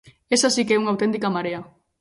Esa si que é unha auténtica marea.